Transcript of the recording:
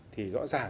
thì rõ ràng